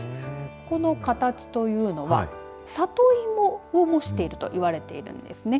この形というのは里芋を模しているといわれているんです。